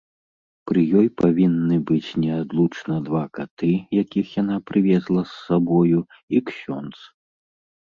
Пры ёй павінны быць неадлучна два каты, якіх яна прывезла з сабою, і ксёндз.